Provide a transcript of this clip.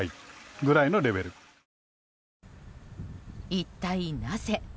一体なぜ？